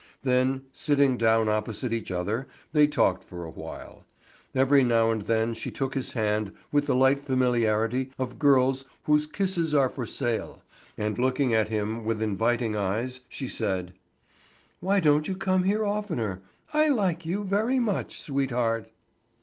Then, sitting down opposite each other, they talked for a while. Every now and then she took his hand with the light familiarity of girls whose kisses are for sale, and looking at him with inviting eyes she said: "Why don't you come here oftener? I like you very much, sweetheart."